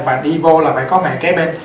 và đi bồn là phải có mẹ kế bên